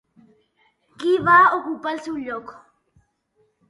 Qui va ocupar el seu lloc?